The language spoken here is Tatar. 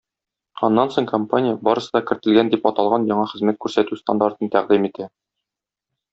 Аннан соң компания "Барысы да кертелгән" дип аталган яңа хезмәт күрсәтү стандартын тәкъдим итә.